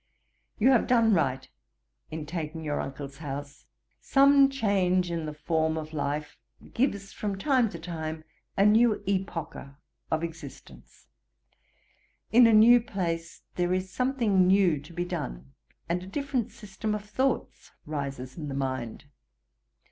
'You have done right in taking your uncle's house. Some change in the form of life, gives from time to time a new epocha of existence. In a new place there is something new to be done, and a different system of thoughts rises in the mind.